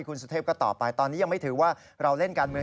คุณสุเทพก็ตอบไปตอนนี้ยังไม่ถือว่าเราเล่นการเมือง